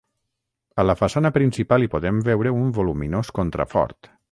A la façana principal hi podem veure un voluminós contrafort.